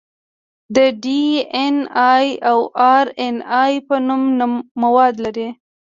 د ډي ان اې او ار ان اې په نوم مواد لري.